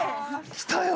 来たよ！